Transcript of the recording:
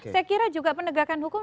saya kira juga penegakan hukum